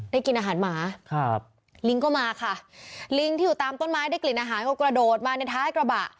กินอาหารหมาครับลิงก็มาค่ะลิงที่อยู่ตามต้นไม้ได้กลิ่นอาหารก็กระโดดมาในท้ายกระบะ